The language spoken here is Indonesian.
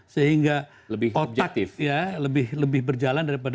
sehingga otak lebih berjalan daripada